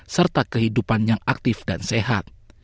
serta kehidupan yang aktif dan sehat